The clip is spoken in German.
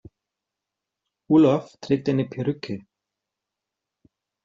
Olaf trägt eine Perücke.